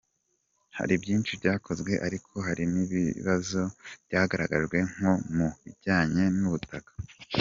Hari byinshi byakozwe ariko hari n’ibibazo byagaragajwe nko mu bijyanye n’ubutaka.